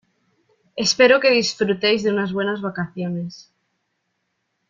Espero que disfrutéis de unas buenas vacaciones.